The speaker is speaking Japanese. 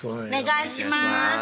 お願いします